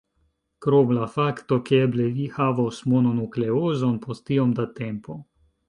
Krom la fakto ke eble vi havos mononukleozon post iom da tempo.